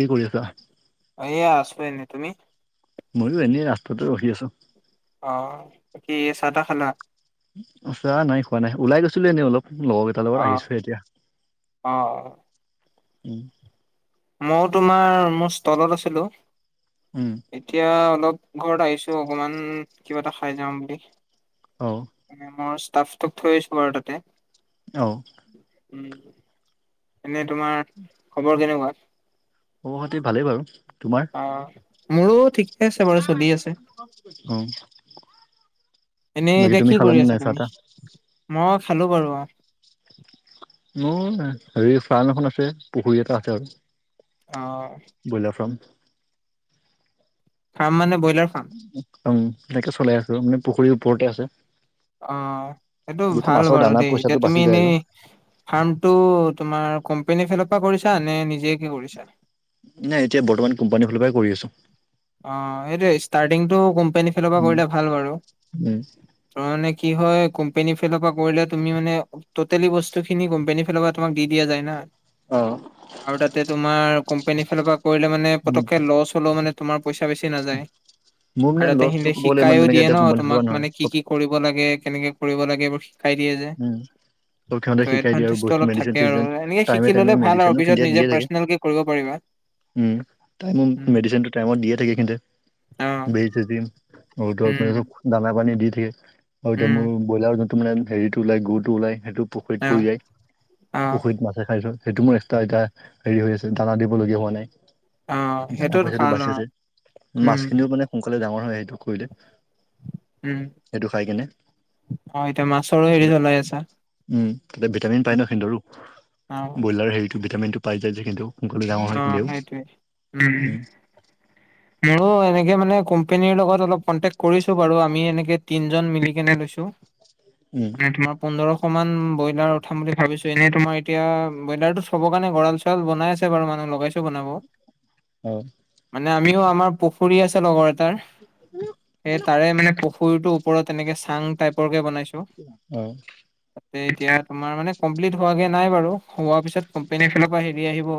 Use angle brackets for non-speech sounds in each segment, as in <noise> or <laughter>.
কি কৰি আছা? এয়া আছো এনেই। তুমি? মইটো এনেই ৰাস্তাতে ৰখি আছো। অহ', - বাকী চাহ-তাহ খালা? চাহ নাই খোৱা নাই, ওলাই গৈছিলো এনেই অলপ লগৰকেই- তাৰ লগত অ আহিছো এতিয়া, অ উম। মইও তোমাৰ মোৰ ষ্টলত আছিলো। উম। এতিয়া অলপ ঘৰত আহিছো অকণমান, কিবা এটা খাই যাম বুলি। অ। মই ষ্টাফটো থৈ আছো বাৰু তা'তে। অহ। উম, এনেই তোমাৰ খবৰ কেনেকুৱা? অ মোৰ মতে ভালেই বাৰু। তোমাৰ? অহ। মোৰো ঠিকে আছে বাৰু চলি আছে। অহ। এনে বাকী এতিয়া তুমি কি খালা কৰি নে আছা নাই তুমি চাহ-তা? মই খালো বাৰু অঁহ। মোৰ হেৰি ফাৰ্ম এখন আছে, পুখুৰী এটা আছে আৰু। অহ। Broiler farm. ফাৰ্ম মানে ব্ৰলাৰ ফাৰ্ম। একদম তেনেকে চলাই আছো মানে পুখুৰীৰ ওপৰতে আছে। অঁহ', সেইটো যিহেতু ভাল মাছৰ বাৰু দানা দেই। পইচাটো এতিয়া তুমি বাচি যায় আৰু এনেই- ফাৰ্ম টো তোমাৰ কোম্পনীৰ ফালৰ পৰা কৰিছা নে নিজে কে কৰিছা? নাই, এতিয়া বৰ্তমান কোম্পানী ফালৰ পৰা কৰি আছো। অঁহ', সেইটোৱেই। ষ্টাৰ্টিংটো কোম্পানীৰ ফালৰ পৰা উম, কৰিলে ভাল বাৰু। উম, ত' মানে কি হয় কোম্পনী ফাইলৰ পৰা কৰিলে তুমি মানে- টুটেলি বস্তু খিনি কোম্পানীৰ ফালৰ পৰা তোমাক দি দিয়া যায় না। অহ। আৰু তা'তে তোমাৰ কোম্পানীৰ ফালৰ পৰা কৰিলে মানে উম, পতককে লছ হ'লেও মানে- তোমাৰ পইচা বেছি নাযায়। মোৰ মানে আৰু লছটো তা'তে ক'ব গ'লে ইমান শিকাইও তেনেকে দিয়ে এতিয়া ন কোম্পানীৰ ফালৰ তোমাক পৰা নহয়। মানে কি কি- কৰিব লাগে, কেনেকে কৰিব লাগে এইবোৰ শিকাই দিয়ে যে। উম, চব সিহঁতে ত' শিকাই দিয়ে আৰু এডভানটেজটো বস্তু অলপ মেডিচিন থাকে আৰু। চেডিচিন এনেকে টাইমে শিকি টাইমে ল'লে ভাল আৰু মেডিচিনো পিছত সিহঁতে নিজে দিয়ে থাকে পাৰ্চনেলকে কৰিব পাৰিবা। উম, তাই মোৰ উম মেডচিন- টাইমত দিয়ে থাকে। কিন্ত অ বেজি-চেজি আৰু উম দৰপ, দানা-পানী দি থাকে। আৰু এতিয়া উম মোৰ ব্ৰইলাৰৰ যোনটো মানে হেৰি ওলাই গুৰটো ওলাই সেইটো। অ পুখুৰীত পৰি যায়, অ পুখুৰীত মাছে খাইছেও সেইটো মোৰ এক্সট্ৰা এতিয়া। হেৰি হৈ আছে দানা দিবলগীয়া হোৱা অ নাই। দানা সেইটোত পইচাটো ভাল বাচি অ আছে উম মাছখিনিও মানে সোনকালে ডাঙৰ হয়, সেইটো কৰিলে, উম সেইটো খাই কেনে। অ এতিয়া মাছৰো হেৰি চলাই আছা উম' তা'তে ভিটামিন পাই ন সিহঁতৰো। অ ব্ৰইলাৰ হেৰিটো ভিটামিন টো পাই যায় যে কিন্তু অঁহ', -সেইটোৱে। উমঁ। উম মোৰো এনেকে মানে কোম্পনীৰ লগত অলপ কন্টেক কৰিছো বাৰু। আমি এনেকে- তিনিজন মিলি কেনে লৈছো, উম পোন্ধৰশ মান ব্ৰইলাৰ। ক বুলি ভাবিছো এনেই তোমাৰ এতিয়া ব্ৰইলাৰ টো থবৰ কাৰণে গঁৰাল চৰাল বনাই আছে বাৰু মানুহ লগাইছো বনাব অঁ মানে আমিও আমাৰ পুখুৰী আছে লগ তাৰ স তাৰে মানে পুখুৰীটোৰ ওপৰত এনেকে চাং টাইপৰ কে বনাইছো অ তাতে এতিয়া তোমাৰ মানে কমপ্লিট হোৱাগে নাই বাৰু হোৱা পিছত কোম্পেনীৰ ফালৰ পৰা হেৰি আহিব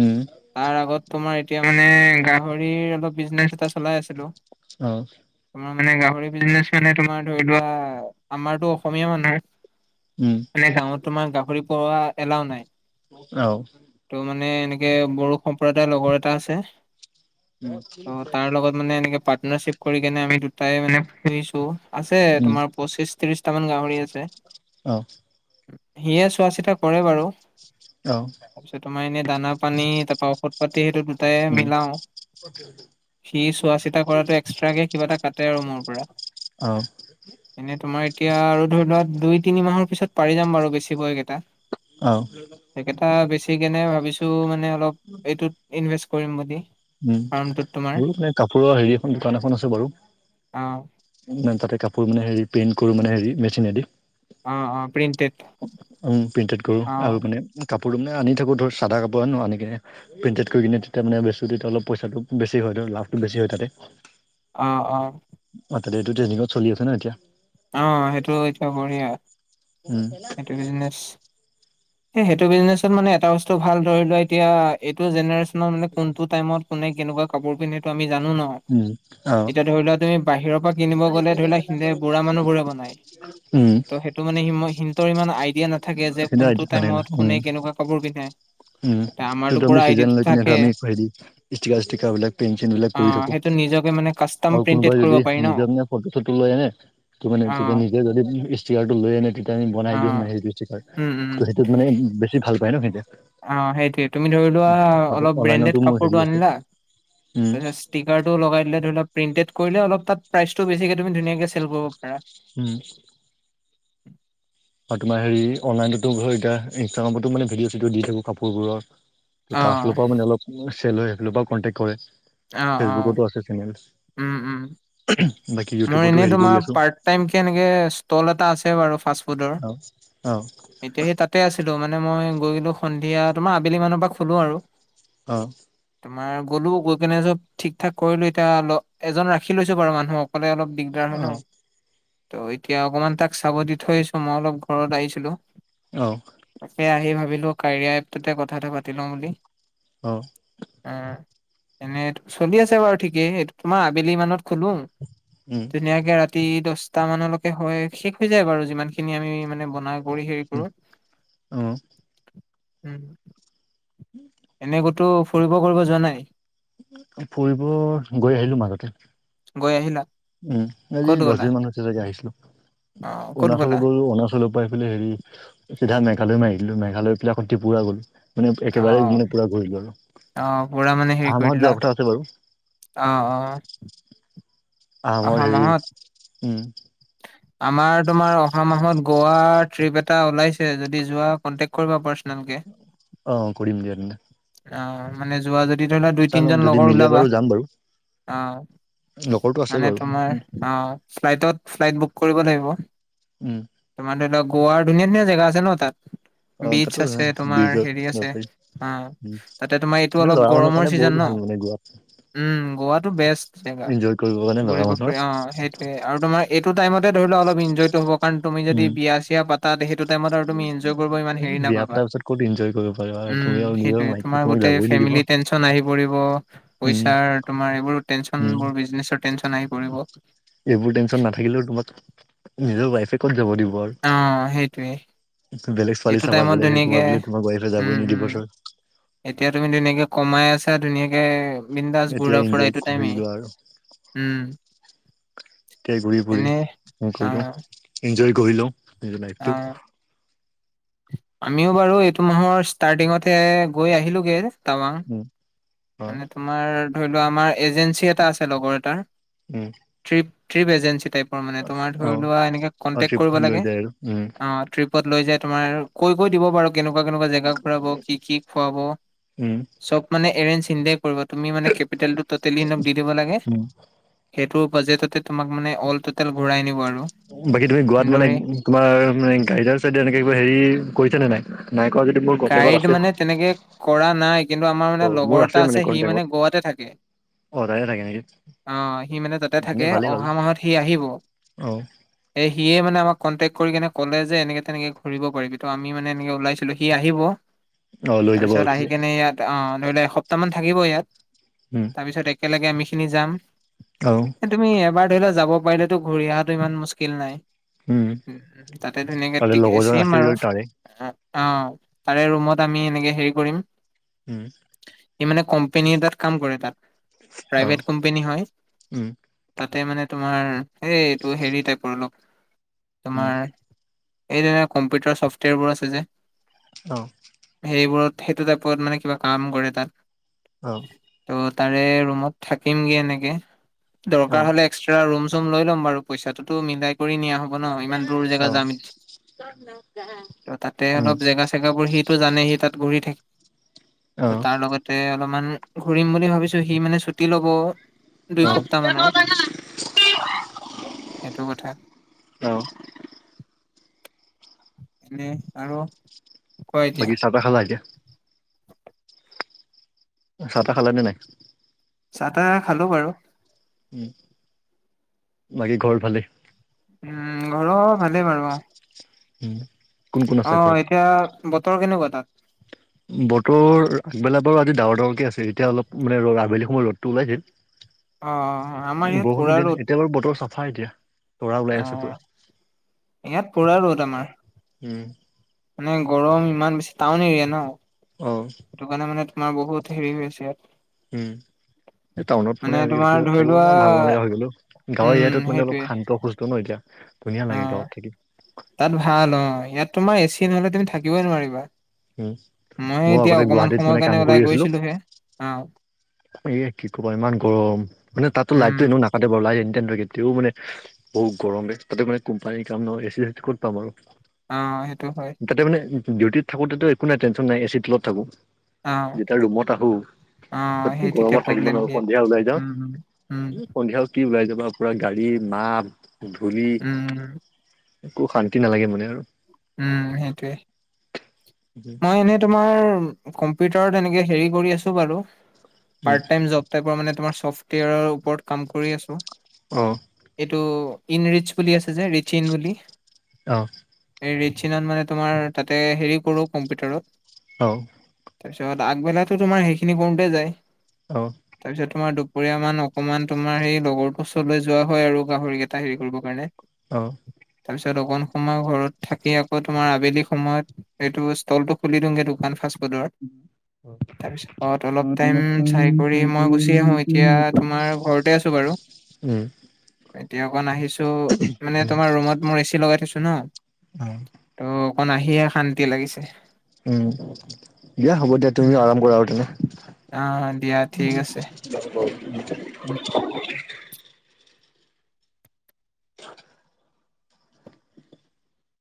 উম তাৰ আগত তোমাৰ এতিয়া মানে গাহৰিৰ অলপ বিজনেচ এটা চলাই আছিলো অ তোমাৰ মানে গাহৰি বিজনেচ মানে তোমাৰ ধৰি লোৱা আমাৰটো অসমীয়া মানুহে মানে গাঁৱত তোমাৰ গাহৰি পুহা এলাও নাই। অ ত' মানে এনেকে বড়ো সম্প্ৰদায়ৰ লগৰ এটা আছে ত' তাৰ লগত মানে এনেকে পাৰ্টনাৰশিপ কৰি কেনে আমি দুটাই মানে পূহিছো আছে তোমাৰ পঁচিশ ত্ৰিশটামান গাহৰি আছে সিয়ে চোৱা চিতা কৰে বাৰু অ তাৰ পিছত তোমাৰ এনে দানা পানী তাৰপা ঔষধ পাতি সেইটো দুটাই মিলাও অকে সি চোৱা চিতা কৰাটো এক্সট্ৰাকে কিবা এটা কাটে আৰু মোৰ পৰা অ এনে তোমাৰ এতিয়া আৰু ধৰি লোৱা দুই তিনি মাহৰ পিছত পাৰি যাম বাৰু বেচিব এই কেইটা অ সেইকেইটা বেছি কেনে ভাবিছোঁ মানে অলপ এইটোত ইনভেষ্ট কৰিম বুলি উম ফাৰ্মটোত তোমাৰ মোৰো মানে কাপোৰৰ হেৰি এখন দোকান এখন আছো বাৰু অ মানে তাতে কাপোৰ মানে হেৰি পেইণ্ট কৰো মানে মেচিনেদি অ অ প্ৰিণ্টেড প্ৰিণ্টেড কৰোঁ আৰু মানে কাপোৰটো মানে আনি থাকোঁ ধৰ চাদা কাপোৰ আনো আনি কিনে প্ৰিণ্টেড কৰি কিনে তেতিয়া মানে বেচোতে তেতিয়া অলপ পইচাটো বেছি হয় লাভটো বেছি হয় তাতে অ অ এইটো এতিয়া ট্ৰন্দিংট চলি আছছে ন এতিয়া অ সেইটো এতিয়া বঢ়িয়া <inaudible> এ সেইটো বিজনেচত মানে এটা বস্তু ভাল ধৰি লোৱা এতিয়া এইটো জেনেৰেশচনত মানে কোনটো টাইমত কোনে কেনেকুৱা কাপোৰ পিন্ধে এইটো আমি জানো ন উম অ এতিয়া ধৰি লোৱা তুমি বাহিৰৰ পৰা কিনিব গ'লে ধৰি লোৱা বুঢ়া মানুহ বোৰে বনায় উম ত সেই মানে সিহতৰ ইমান আইডিয়া নাথাকে যে চিধা কোনটো এইটোত নাথাকে টাইমত উম কোনে কেনেকুৱা কাপোৰ পিন্ধে উম তে আমাৰতো আমি পুৰা চিজ আইডিয়াটো লৈ কিনে থাকে আমি হেৰি ষ্টিকা ষ্টিকা বিলাক পেঞ্চ বিলাক কৰি অ' থাকো সেইটো নিজকে মানে কাষ্টম আৰু প্ৰিন্টেড কোনোবাই কৰিব যদি পাৰি ন। নিজৰ নিজা ফটো চটো লৈ আনে ত মানে তেতিয়া অ' নিজে যদি ষ্টিকাৰ টো লৈ আনে তেতিয়া আমি বনাই দিও নে অ' হেটো উম উম ত সেইটোত মানে বেছি ভাল পায় ন সেইতে অ সেইটোৱে তুমি ধৰি লোৱা অলপ অনলাইনতো ব্ৰেণ্ডেড মোৰ হেৰি কাপোৰটো আছে আনিলা উম ষ্টিকাৰ টো লগাই দিলে ধৰি লোৱা প্ৰিন্টেড কৰিলে অলপ তাত প্ৰাইচটো বেছিকে তুমি ধুনিয়াকে চেল কৰিব পাৰা। উম আৰু তোমাৰ হেৰি অনলাইনতো ঘ এতিয়া ইনষ্টাগ্ৰামত মানে ভিডিঅ' চিডি দি থাকো কাপোৰবোৰৰ ত' তাৰ অ' ফালৰ পৰাও মানে অলপ চেল হয় সেইফালৰ পৰাও কণ্টেক্ট কৰে অ' অ' ফেচবুকতো আছে চেনেল উম উম। বাকী মোৰ ইউটিউবতো এনে হেৰি কৰি তোমাৰ পা আছো পাৰ্ট টাইমকে এনেকে ষ্টল এটা আছে বাৰু ফাষ্ট ফুডৰ। অ অ। এতিয়া সেই তাতে আছিলো মানে মই গৈ কিন্তু সন্ধিয়া তোমাৰ আবেলি মানৰ পৰা খোলো আৰু। অ'। তোমাৰ গ'লো গৈ কেনে চব ঠিক ঠাক কৰিলো এতিয়া এজন ৰাখি লৈছো বাৰু মানুহক। অকলে অলপ দিগদাৰ হয় ন। ত' এতিয়া অকমান তাক চাব দি থৈ আহিছোঁ। মই অলপ ঘৰত আহিছিলোঁ। অঁ। তাকে আহি ভাবিলোঁ, কাৰিয়া এপটোতে কথা এটা পাতি লওঁ বুলি। অ'। উম, এনেইটো চলি আছে বাৰু ঠিকেই। এইটো তোমাৰ আবেলিমানত খোলোঁ। উম উম ধুনীয়াকে ৰাতি দহটা মানলৈকে হয়, শেষ হৈ যায় বাৰু যিমান খিনি আমি মানে ব নাই কৰি হেৰি কৰো। উম। <inaudible> এনে কতো ফুৰিব কৰিব যোৱা নাই? ফুৰিব গৈ আহিলো মাজতে। গৈ আহিলা? উম, আজি ক'ত দশ গ'লা দিনমান হৈছে চাগে আহিছিলোঁ। অ ক'ত অৰুণাচলত গ'লা গ'লোঁ, অৰুণাচলত গৈ পেলাই, চিধা মেঘালয় মাৰি দিলোঁ। মেঘালয়ৰ পৰা আকৌ ত্ৰিপুৰা গ'লোঁ। মানে অ একেবাৰে মানে পুৰা ঘূৰিলো আৰু, অ পুৰা আহা মাহত যোৱা কথা আছে বাৰু। অঁ অঁ। আহা মাহত হেৰি, উম। আমাৰ, তোমাৰ অহা মাহত গোৱা ট্ৰিপ এটা ওলাইছে, যদি যোৱা কন্টেক্ট কৰিবা পাৰ্চনেলকে। অ কৰিম দিয়া তেন্তে অঁ, মানে যোৱা যদি ধৰি লোৱা দুই চাই লওঁ তিনিজন যদি লগৰ মিলে বাৰু ওলাবা। যাম বাৰু অঁহ, লগৰটো আছে মানে বাৰু তোমাৰ আঁহ। ফ্লাইটত, ফ্লাইট বুক কৰিব লাগিব। উম। তোমাৰ ধৰ লোৱা গোৱাৰ ধুনীয়া ধুনীয়া জেগা আছে ন তাত। অ বিছ তাতো আছে, তোমাৰ ব্ৰিজত হেৰি যাব আছে। পাৰি অঁ, উম তাতে তোমাৰ এইটো অলপ গৰমৰ ছিজন ন। ইয়াত উম, গোৱাটো বেষ্ট জেগা কৰিবৰ কাৰণে ল'ৰা ঘূৰিব মানুহৰ ফুৰিব। অঁ, সেই টোৱে আৰু তোমাৰ এইটো টাইমতে ধৰি লোৱা অলপ ইনজয়তো হ'ব। কাৰণ, তুমি যদি উম বিয়া চিয়া পাতা, সেইটো টাইমত আৰু তুমি ইনজয় কৰিব ইমান হেৰি বিয়া নাপাবা। পতাৰ পিছত ক'ত ইনজয় কৰিব পাৰিবা আৰু উম, তুমি আৰু নিজৰ সেইটোয়ে। মাইকীয়ে তোমাৰ তোমাক গোটেই যাবই নিদিব ফেমিলি টেন চন আহি পৰিব। উম পইচাৰ, তোমাৰ এইবোৰ উম টেনচনবোৰ, বিজনেছৰ টেনচন আহি পৰিব। এইবোৰ টেনচন নাথাকিলেও তোমাক নিজৰ ৱাইফে ক'ত যাব দিব আৰু। অঁ, সেইটোৱে। বেলেগ ছোৱালী চাবা, বেলেগে হেৰী কৰিবা বুলি তোমাক ৱাইফে উম যাবই উম নিদিব। এতিয়া তুমি ধুনীয়াকৈ কমাই আছা, ধুনীয়াকে বিন্দাচ এতিয়াই ঘূৰা ফুৰা এনজয় এইটো টাইমে। কৰি লোৱা আৰু উম। এতিয়াই ঘূৰি এনে ফুৰি অ কৰি লওঁ, এনজয় কৰি লওঁ নিজৰ অ লাইফটো। আমিও বাৰু, এইটো মাহৰ ষ্টাৰ্টিঙতে গৈ আহিলোঁগে। টাৱাং, উম অ মানে তোমাৰ ধৰি লোৱা আমাৰ এজেঞ্চি এটা আছে, লগৰ এটাৰ। উম। ট্ৰিপ, ট্ৰিপ এজেঞ্চি টাইপৰ মানে, তোমাৰ অ ধৰি লোৱা, এনেকৈ অ কণ্টেক্ট কৰিব ট্ৰিপখন লৈ লাগে, যায় আৰু উম অঁ। ট্ৰিপত লৈ যায় তোমাৰ কৈ কৈ দিব বাৰু, কেনেকুৱা কেনেকুৱা জেগা ফুৰাব, কি কি খুৱাব, উম চব মানে এৰেঞ্জ সিতে, কৰিব, তুমি মানে কেপিটেল টো তুলি পিনে সিহঁতক দি দিব লাগে, উম সেইটো বাজেটতে তোমাক মানে অল টটেল ঘূৰাই আনিব আৰু। বাকী তুমি গোৱাত মানে, এনেদৰে তোমাৰ মানে গাইডাৰ চাইডাৰ এনেকে কিবা হেৰি কৰিছা নে নাই? নাই কৰা, যদি মোৰ কন্টেকত গাইড মানে আছে। তেনেকে কৰা নাই কিন্তু আমাৰ অ মানে মোৰ লগৰ এটা আছে সি মানে কণ্টেক্টত গোৱাতে থাকে। অ তাতে থাকে নেকি অ, সি মানে তাতে তেনে থাকে ভালেই হ'ল অহা মাহত সি আহিব। অ এ সিয়ে মানে আমাক কণ্টেক্ কৰি কেনে কলে যে এনে তেনেকে ঘূৰি পাৰিবি ত আমি মানে এনেকে ওলাইছো। কিন্তু সি আহিব, অ লৈ যাব তাৰপিছত আৰু আহি সিয়ে কেনে ইয়াত অ ধৰি লোৱা এসপ্তাহ মান থাকিব ইয়াত। উম তাৰপিছত একেলগে আমিখিনি যাম। অ এ তুমি এবাৰ ধৰি লোৱা যাব পাৰিলেতো ঘূৰি অহাটো ইমান মুস্কিল নাই। উম তাতে ধুনীয়াকে তাৰে তিকে লগৰজন ছেম আছে আৰু, যদি তাৰে অ, তাৰে ৰুমত আমি এনেকে হেৰি কৰিম। উম। ই মানে কোম্পানী এটাত কাম কৰে তাত, অ প্ৰাইভেট কোম্পানী হয়। উম তাতে মানে তোমাৰ এই এইটো হেৰি টাইপৰ অলপ উম তোমাৰ, এই যে কম্পিউটাৰ ছফ্টৱেৰবোৰ আছে যে। অ। সেইবোৰত, সেইটো টাইপত মানে কিবা কাম কৰে তাত। অ। ত' তাৰে ৰুমত থাকিমগে এনেকে, দৰকাৰ অ', হলে এক্সট্ৰা ৰুম-চুম লৈ লম বাৰু, পইচাতেটো মিলাই কৰি নিয়া হ, হব ন ইমান দূৰ জেগা অ', যাম, তাত উম, তেহত জেগা চেগা বোৰ সিটো জানে সি তাত ঘূৰি থাকে ত অ', তাৰ লগত, তাতে অলপমান ঘূৰিম বুলি ভাবিছো সি মানে ছুটি ল'ব। দুই অ', সপ্তাহ মানৰ এইটো কথা। অ'। এনেই আৰু? কোৱা এতিয়া বাকি চাহ তাহ খালা এতিয়া? চাহ তাহ খালা নে নাই? চাহ তাহ খালো বাৰু। উম, বাকী ঘৰত ভালেই? উম ঘৰৰ ভালেই বাৰু অ, উম, অ, এতিয়া বতৰ কেনেকুৱা তাত? বতৰ আগবেলা বাৰু ডাৱৰ ডাৱৰকে আছে, এতিয়া অলপ মানে ৰদ আবেলি সময়ত ৰদটো ওলাইছিল। <inaudible> অ, আমাৰ ইয়াত বৰষুণটো পোৰা দিয়া ৰ'দ। নাই, এতিয়া বাৰু বতৰ চাফা এতিয়া, তৰা ওলাই অ আছে পুৰা। ইয়াত পোৰা ৰ'দ আমাৰ। উম, মানে গৰম, ইমান বেছি টাউন এৰিয়া ন? অঁ। সেইটো কাৰণে মানে তোমাৰ বহুত হেৰি হৈ আছে ইয়াত। উম, এই টাউনত মানে আজিকালি তোমাৰ কিবা ধৰি থাকিব লোৱা না ভাল নলগা হৈ গ'ল অঁ। গাঁৱৰ উম এৰিয়াটোত মানে অলপ সেইটোৱে শান্ত - সুস্থ ন' এতিয়া, ধুনীয়া অ লাগে গাঁৱত থাকি। তাত ভাল অ, ইয়াত তোমাৰ এচি নহ'লে তুমি থাকিবই নোৱাৰিবা। উম, মই ময়ো এতিয়া আগতে অকমান গুৱাহাটীত সময়ৰ মানে কাৰণে কাম কৰি ওলাই আছিলোঁ। গৈছিলোহে, অহ'। এ কি ক'বা ইমান গৰম, মানে তাতো উম লাইতটো এনেও নাকাতে বাৰু, লাইট এনি টাইম থাকে, তেতিয়াও মানে বহুত গৰমে তাতে মানে কোম্পানীৰ কাম নহয় এচি চেচি ক'ত পাম আৰু। অঁ' সেইটো হয়। তাতে মানে ডিউটিত থাকোতেটো একো টেনশ্যন নাই এ চি তলত থাকো। অ যেতিয়া ৰুমত আহো- অ সেই তেতিয়া গৰমত থাকিব প্ৰব্লেম নোৱাৰো, দিয়ে সন্ধিয়া ওলাই যাওঁ, উম উম সন্ধিয়াও কি ওলাই যাবা পুৰা গাড়ীৰ মাত, ধূলি। উম একো শান্তি নালাগে মানে আৰু। উম, সেইটোৱে, মই এনেই তোমাৰ কম্পিউটাৰত এনেকে হেৰি কৰি আছো বাৰু উম পাৰ্ট টাইম জব। টাইপৰা মানে তোমাৰ ছফ্টৱেৰ ওপৰত কাম কৰি আছো। অহ। এইটো ইন ৰিটচ বুলি আছে যে ৰিচ ইন বুলি। অহ। এই ৰিটচ ইনত মানে তোমাৰ তাতে হেৰি কৰো কম্পিউটাৰত। অঁ। তাৰপিছত আগবেলাতো তোমাৰ সেইখিনি কৰোঁতে যায়। অঁ। তাৰপিছত তোমাৰ দুপৰীয়া মান অকমান তোমাৰ সেই লগৰটোৰ ওচৰলৈ যোৱা হয় আৰু গাহৰিকেইটা হেৰি কৰিবৰ কাৰণে। অঁ'। তাৰপিছত অকনমান সময় ঘৰত। থাকি আকৌ তোমাৰ আবেলি সময়ত এইটো ষ্টলটো খুলি দিওঁগে দোকান ফাষ্টফুডৰ। <unintelligible> তাৰপিছ ঘৰত অলপ উম টাইম উম চাই কৰি মই গুচি আহো এতিয়া তোমাৰ ঘৰতে আছো বাৰু। উমঁ'। এতিয়া অকণ আহিছো মানে তোমাৰ ৰুমত মোৰ এ চি লগাই থৈছো ন। উম। ত' অকণ আহিহে শান্তি লাগিছে। উমঁ' দিয়া হ'ব দিয়া উম তুমিও আৰাম কৰা আৰু তেনে। অ দিয়া ঠিক আছে <unintelligible> <unintelligible>